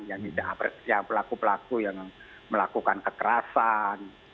yang tidak pelaku pelaku yang melakukan kekerasan